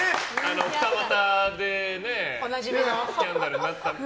２股でスキャンダルになった。